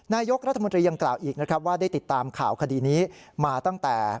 นายกรัฐมนตรียังกล่าวอีกนะครับว่าได้ติดตามข่าวคดีนี้มาตั้งแต่